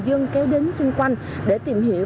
người dân kéo đến xung quanh để tìm hiểu